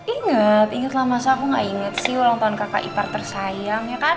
ingat ingatlah masa aku gak inget sih ulang tahun kakak ipar tersayang ya kan